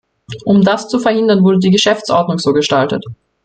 Um das zu verhindern, wurde die Geschäftsordnung so gestaltet.